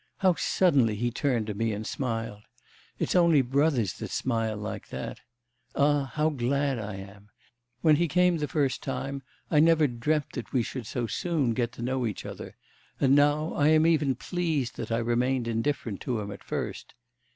How suddenly he turned to me and smiled!... It's only brothers that smile like that! Ah, how glad I am! When he came the first time, I never dreamt that we should so soon get to know each other. And now I am even pleased that I remained indifferent to him at first.